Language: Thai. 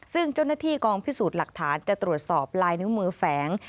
ซึ่งเจ้าหน้าที่กองพิสูจน์หลักฐานจะตรวจสอบลายนิ้วมือแฝง